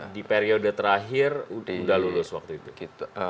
di periode terakhir sudah lulus waktu itu